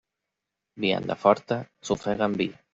Vianda forta, s'ofega amb vi.